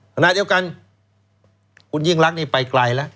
ขณะเดียวกันคุณยิ่งรักนี่ไปไกลแล้ว